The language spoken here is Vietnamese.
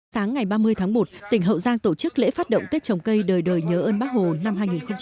sáng ngày ba mươi tháng một tỉnh hậu giang tổ chức lễ phát động tết trồng cây đời đời nhớ ơn bác hồ năm hai nghìn hai mươi